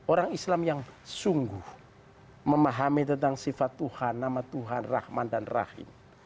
orang islam yang sungguh memahami tentang sifat tuhan nama tuhan rahman dan rahim